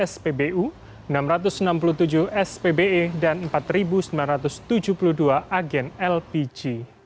enam belas spbu enam ratus enam puluh tujuh spbe dan empat sembilan ratus tujuh puluh dua agen lpg